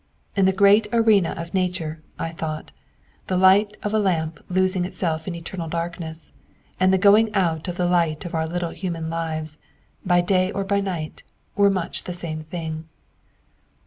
In the great arena of nature, I thought, the light of a lamp losing itself in eternal darkness, and the going out of the light of our little human lives, by day or by night, were much the same thing.